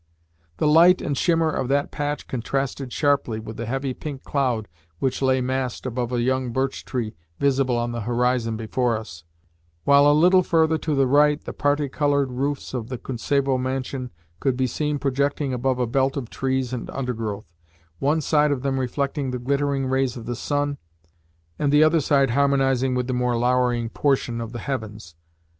The light and shimmer of that patch contrasted sharply with the heavy pink cloud which lay massed above a young birch tree visible on the horizon before us, while, a little further to the right, the parti coloured roofs of the Kuntsevo mansion could be seen projecting above a belt of trees and undergrowth one side of them reflecting the glittering rays of the sun, and the other side harmonising with the more louring portion of the heavens.